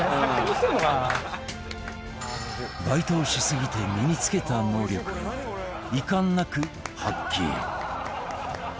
バイトをしすぎて身につけた能力を遺憾なく発揮